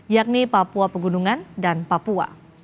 yakni papua pegunungan dan papua